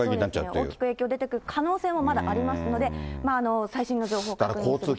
大きく影響出てくる可能性まだありますので、最新の情報確認してください。